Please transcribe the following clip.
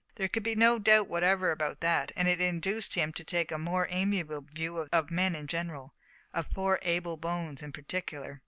There could be no doubt whatever about that, and it induced him to take a more amiable view of men in general of "poor Abel Bones" in particular.